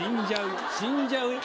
死んじゃうよ。